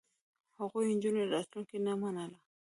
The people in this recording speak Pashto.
هغوی د نجونو راتلونکې نه منله.